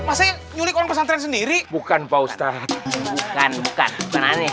pastinya nyulik orang envie sendiri bukan pak ustadz bukan bukan bukan